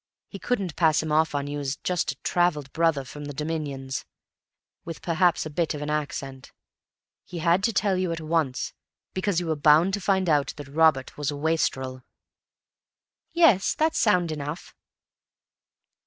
He couldn't pass him off on you as just a travelled brother from the Dominions, with perhaps a bit of an accent; he had to tell you at once, because you were bound to find out, that Robert was a wastrel." "Yes. That's sound enough."